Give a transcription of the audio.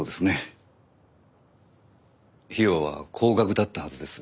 費用は高額だったはずです。